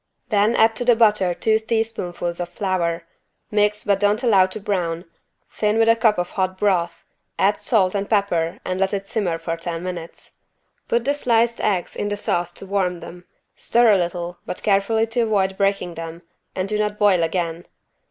Then add to the butter two teaspoonfuls of flour, mix but don't allow to brown, thin with a cup of hot broth, add salt and pepper and let simmer for ten minutes. Put the sliced eggs in the sauce to warm them, stir a little, but carefully to avoid breaking them, and do not boil again.